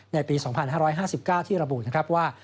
ในปี๒๕๕๙ที่ระบุนะครับว่า